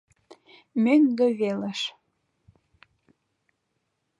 — Мӧҥгӧ велыш.